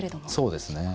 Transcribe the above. そうですね。